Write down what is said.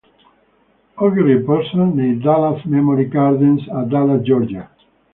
Oggi riposa nei "Dallas Memory Gardens" a Dallas, Georgia.